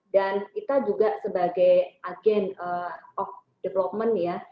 dan kita juga sebagai agent of development ya